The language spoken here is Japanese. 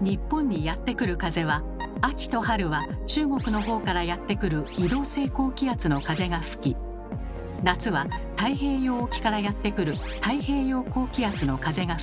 日本にやってくる風は秋と春は中国のほうからやってくる移動性高気圧の風が吹き夏は太平洋沖からやってくる太平洋高気圧の風が吹きます。